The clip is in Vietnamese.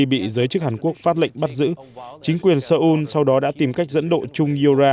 bị giới chức hàn quốc phát lệnh bắt giữ chính quyền seoul sau đó đã tìm cách dẫn độ chung ira